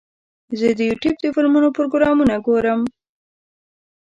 زه د یوټیوب د فلمونو پروګرامونه ګورم.